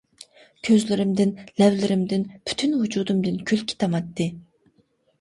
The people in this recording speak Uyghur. كۆزلىرىمدىن، لەۋلىرىمدىن، پۈتۈن ۋۇجۇدۇمدىن كۈلكە تاماتتى.